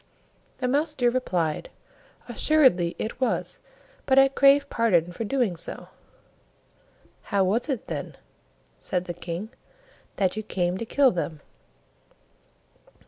The Mouse deer replied, "Assuredly it was, but I crave pardon for doing so." "How was it, then," said the King, "that you came to kill them?"